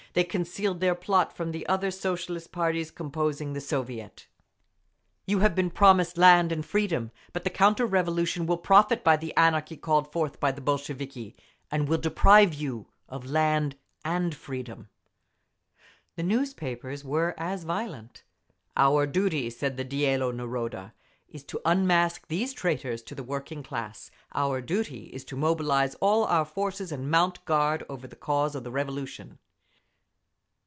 They concealed their plot from the other Socialist parties composing the Soviet…. You have been promised land and freedom, but the counter revolution will profit by the anarchy called forth by the Bolsheviki, and will deprive you of land and freedom…. The newspapers were as violent. Our duty (said the Dielo Naroda) is to unmask these traitors to the working class. Our duty is to mobilise all our forces and mount guard over the cause of the Revolution!